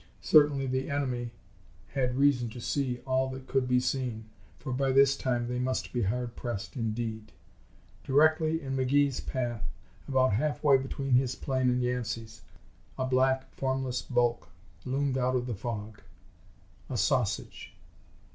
Certainly the enemy had reason to see all that could be seen, for by this time they must be hard pressed indeed. Directly in McGee's path, about half way between his plane and Yancey's, a black, formless bulk loomed out of the fog. A sausage!